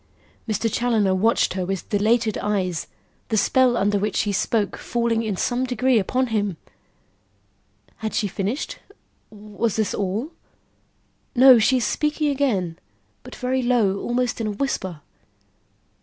Mr. Challoner watched her with dilated eyes, the spell under which she spoke falling in some degree upon him. Had she finished? Was this all? No; she is speaking again, but very low, almost in a whisper.